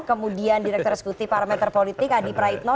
kemudian direktur eksekutif parameter politik adi praitno